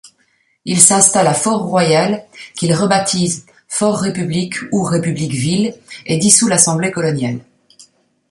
Il s'installe à Fort-Royal qu'il rebaptise Fort-République ou République-ville et dissout l'Assemblée coloniale.